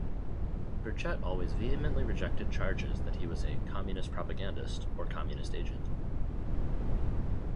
Burchett always vehemently rejected charges that he was a "communist propagandist" or "communist agent".